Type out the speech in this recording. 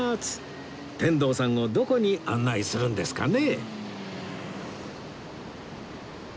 天童さんをどこに案内するんですかね？